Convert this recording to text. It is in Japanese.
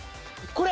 これ！